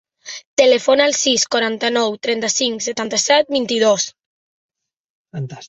Telefona al sis, quaranta-nou, trenta-cinc, setanta-set, vint-i-dos.